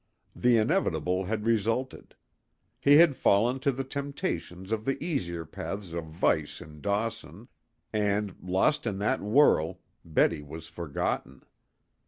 The inevitable had resulted. He had fallen to the temptations of the easier paths of vice in Dawson, and, lost in that whirl, Betty was forgotten.